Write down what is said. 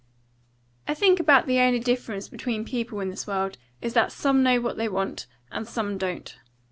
"I think about the only difference between people in this world is that some know what they want, and some don't.